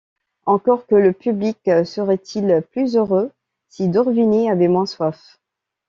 Encore que le public serait-il plus heureux si Dorvigny avait moins soif.